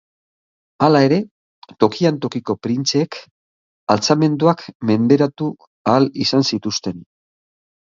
Hala ere, tokian tokiko printzeek altxamenduak menderatu ahal izan zituzten.